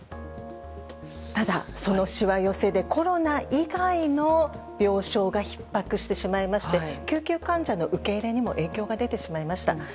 ただ、そのしわ寄せでコロナ以外の病床がひっ迫してしまいまして救急患者の受け入れにも影響が出てしまいました。